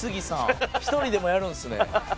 さん１人でもやるんですね。